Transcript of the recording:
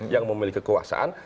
yang memiliki kekuasaan